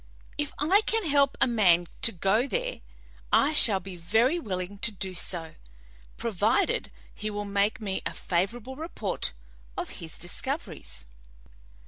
If I can help a man to go there, I shall be very willing to do so, provided he will make me a favorable report of his discoveries."